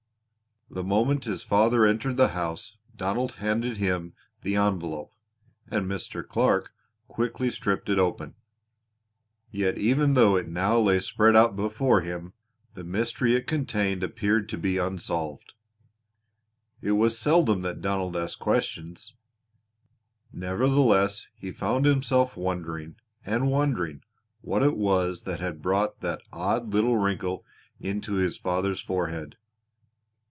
The moment his father entered the house Donald handed him the envelope and Mr. Clark quickly stripped it open; yet even though it now lay spread out before him the mystery it contained appeared to be unsolved. It was seldom that Donald asked questions, nevertheless he found himself wondering and wondering what it was that had brought that odd little wrinkle into his father's forehead.